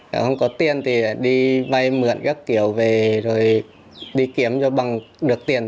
không có tiền thì đi vay mượn các kiểu về rồi đi kiếm cho bằng được tiền